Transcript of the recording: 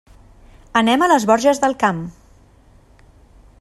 Anem a les Borges del Camp.